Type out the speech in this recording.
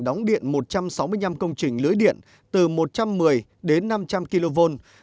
đưa vào phát điện một trăm một mươi bốn công trình lưới điện từ một trăm một mươi điện lực việt nam chín tháng qua tập đoàn đã hoàn thành